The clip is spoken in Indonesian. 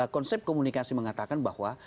konsep komunikasi mengatakan bahwa